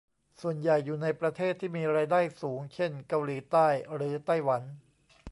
ส่วนใหญ่อยู่ในประเทศที่มีรายได้สูงเช่น เกาหลีใต้ หรือ ไต้หวัน